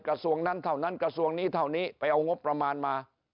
กระทรวงนั้นเท่านั้นกระทรวงนี้เท่านี้ไปเอางบประมาณมา